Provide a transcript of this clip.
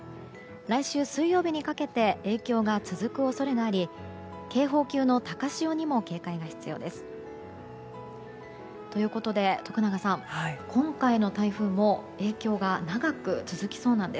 来週水曜日にかけて影響が続く恐れがあり警報級の高潮にも警戒が必要です。ということで徳永さん